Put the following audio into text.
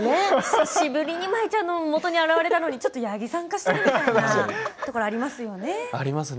久しぶりに舞ちゃんのもとに現れたのにちょっと八木さん化しているところがありますね。